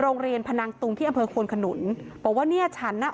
โรงเรียนพนังตูงที่อเภอควนขนุนบอกว่าเนี่ยฉันอ่ะ